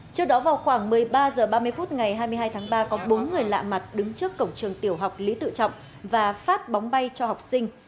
trước đó vào khoảng một mươi ba h ba mươi phút ngày hai mươi hai tháng ba có bốn người lạ mặt đứng trước cổng trường tiểu học lý tự trọng và phát bóng bay cho học sinh